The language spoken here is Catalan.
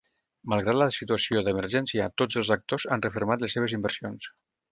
Malgrat la situació d’emergència, tots els actors han refermat les seves inversions.